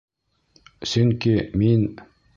Сөнки... мин...